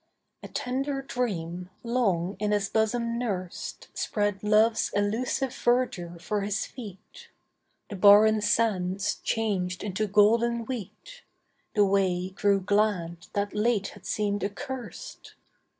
A tender dream, long in his bosom nursed, Spread love's illusive verdure for his feet; The barren sands changed into golden wheat; The way grew glad that late had seemed accursed.